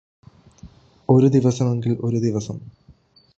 ഒരു ദിവസമെങ്കില് ഒരു ദിവസം